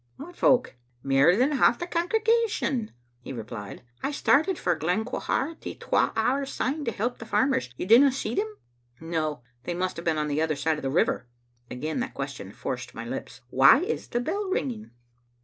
"What folk?" "Mair than half the congregation," he replied, "I started for Glen Quharity twa hours syne to help the farmers. You didna see them?" •• No ; they must have been on the other side of the river." Again that question forced my lips, Why is the bell ringing?"